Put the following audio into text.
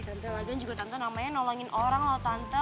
tante lagu juga tante namanya nolongin orang loh tante